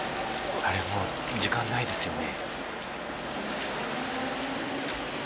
もう時間ないですよね。